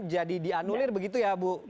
jadi dianulir begitu ya bu pratibi